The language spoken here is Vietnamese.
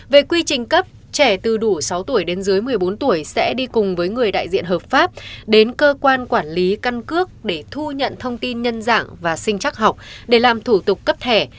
về quy trình cấp trẻ từ đủ sáu tuổi đến dưới một mươi bốn tuổi sẽ đi cùng với người đại diện hợp pháp đến cơ quan quản lý căn cước để thu nhận thông tin nhân dạng và sinh chắc học để làm thủ tục cấp thẻ